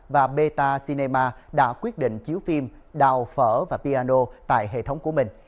và beta cinema đã quyết định chiếu phim đào phở và piano tại hệ thống của mình